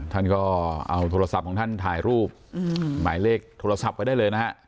ท่านก็เอาโทรศัพท์ของท่านถ่ายรูปหมายเลขโทรศัพท์ไว้ได้เลยนะฮะ